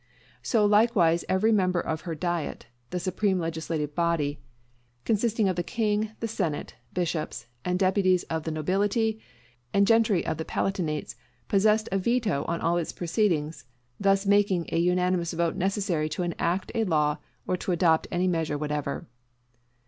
So likewise every member of her Diet (the supreme legislative body), consisting of the King, the Senate, bishops and deputies of the nobility and gentry of the palatinates, possessed a veto on all its proceedings; thus making a unanimous vote necessary to enact a law or to adopt any measure whatever.